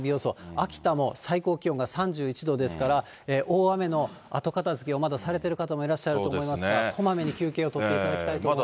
秋田も最高気温が３１度ですから、大雨の後片づけをまだされてる方もいらっしゃると思いますが、こまめに休憩を取っていただきたいと思います。